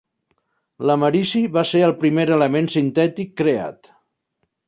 L'americi va ser el primer element sintètic creat.